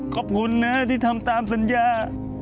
ขอบคุณนะที่ทำตามสัญญา